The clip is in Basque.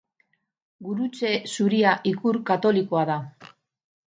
Gurutze zuria ikur katolikoa da.